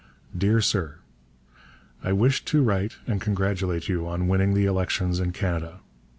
DEAR SIR, I wished to write and congratulate you on winning the elections in Canada.